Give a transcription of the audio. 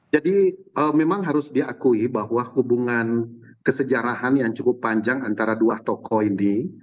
jadi memang harus diakui bahwa hubungan kesejarahan yang cukup panjang antara dua tokoh ini